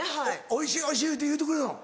「おいしいおいしい」言うてくれるの？